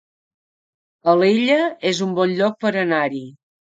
Alella es un bon lloc per anar-hi